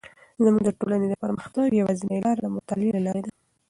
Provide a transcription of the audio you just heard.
زموږ د ټولنې د پرمختګ یوازینی لاره د مطالعې له لارې ده.